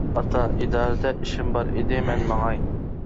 ئاتا ئىدارىدە ئىشىم بار ئىدى مەن ماڭاي.